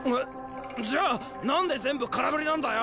⁉じゃあ何で全部空振りなんだよ